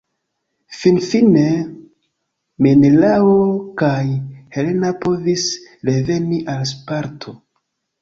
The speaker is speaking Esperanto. Finfine, Menelao kaj Helena povis reveni al Sparto.